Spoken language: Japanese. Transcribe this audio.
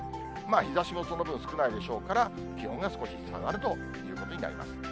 日ざしもその分、少ないでしょうから、気温が少し下がるということになります。